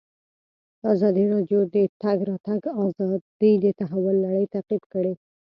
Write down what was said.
ازادي راډیو د د تګ راتګ ازادي د تحول لړۍ تعقیب کړې.